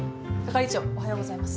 係長おはようございます。